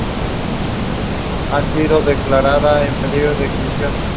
Los cuatro martes se dedican a los cuatro elementos: agua, fuego, viento y tierra.